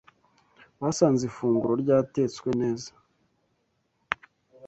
Basanze ifunguro ryatetswe neza